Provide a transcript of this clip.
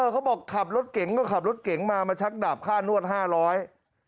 เขาบอกขับรถเก่งก็ขับรถเก๋งมามาชักดาบค่านวดห้าร้อย